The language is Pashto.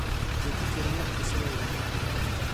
ذاتي کرامت پوه شوی دی.